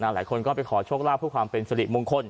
หลายคนก็ไปขอโชคลาภเพื่อความเป็นสริมงคล